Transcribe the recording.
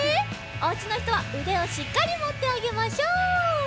おうちのひとはうでをしっかりもってあげましょう。